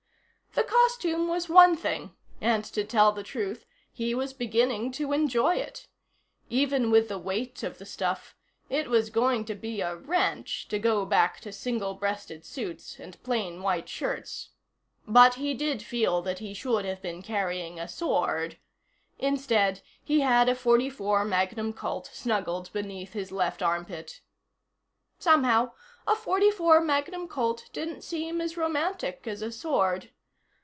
The costume was one thing, and, to tell the truth, he was beginning to enjoy it. Even with the weight of the stuff, it was going to be a wrench to go back to single breasted suits and plain white shirts. But he did feel that he should have been carrying a sword. Instead, he had a .44 Magnum Colt snuggled beneath his left armpit. Somehow, a .44 Magnum Colt didn't seem as romantic as a sword.